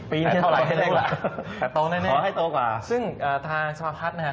ปีนี้เท่าไหร่เท่าเด็กล่ะแต่โตได้แน่ซึ่งทางสมภัทรนะครับ